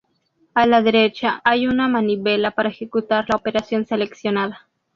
A la derecha hay una manivela para ejecutar la operación seleccionada.